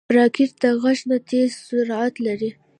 راکټ د غږ نه تېز سرعت لري